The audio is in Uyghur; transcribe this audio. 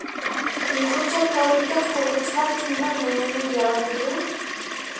ئۇيغۇرچە تور بېكەت قۇرغۇچىلار كىمنىڭ نېنىنى يەۋاتىدۇ؟